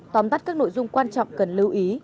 tóm tắt các nội dung quan trọng cần lưu ý